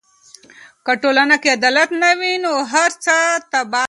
که په ټولنه کې عدالت نه وي، نو هر څه تباه دي.